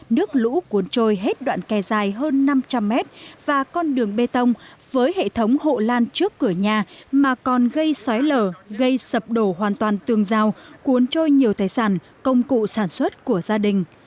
nước lũ cuốn trôi hết đoạn kè dài hơn năm trăm linh mét và con đường bê tông với hệ thống hộ lan trước cửa nhà mà còn gây xói lở gây sập đổ hoàn toàn tường rào cuốn trôi nhiều tài sản công cụ sản xuất của gia đình